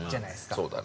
◆そうだよね。